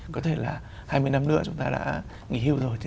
có thể là hai mươi năm nữa chúng ta đã nghỉ hưu rồi